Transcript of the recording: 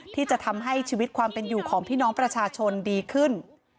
ที่จะทำให้ชีวิตความเป็นอยู่ของพี่น้องประชาชนดีขึ้น